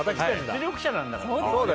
実力者なんだから。